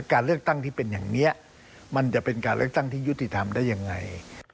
การเลือกตั้งที่เป็นอย่างนี้มันจะเป็นการเลือกตั้งที่ยุติธรรมได้ยังไง